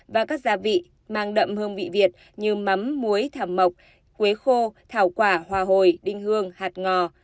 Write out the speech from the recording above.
và các gia vị mang đậm hương vị việt như mắm muối thầm mộc quế khô thảo quả hòa hồi đinh hương hạt ngò